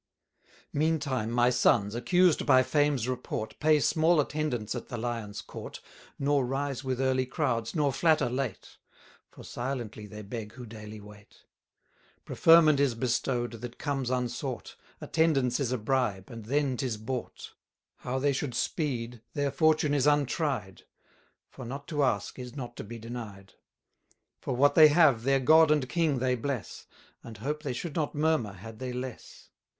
Meantime my sons, accused by fame's report, Pay small attendance at the Lion's court, Nor rise with early crowds, nor flatter late; For silently they beg who daily wait. Preferment is bestow'd, that comes unsought; Attendance is a bribe, and then 'tis bought. 240 How they should speed, their fortune is untried; For not to ask, is not to be denied. For what they have, their God and king they bless, And hope they should not murmur, had they less.